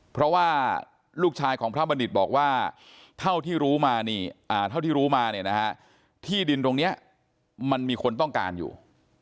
เพราะว่าลูกชายของพระบัณฑิตบอกว่าเท่าที่รู้มาที่ดินตรงนี้มันมีคนต้องการอยู่